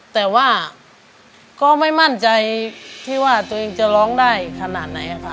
แต่ว่าก็ไม่มั่นใจที่ว่าตัวเองจะร้องได้ขนาดไหนค่ะ